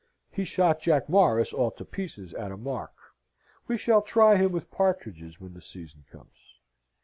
He shot Jack Morris all to pieces at a mark: we shall try him with partridges when the season comes.